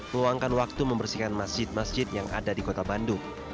meluangkan waktu membersihkan masjid masjid yang ada di kota bandung